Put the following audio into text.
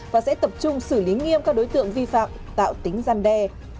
và sẽ tập trung xử lý nghiêm các đối tượng vi phạm tạo tính gian đe